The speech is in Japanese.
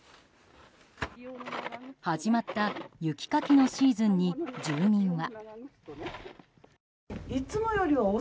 始まった雪かきのシーズンに住民は。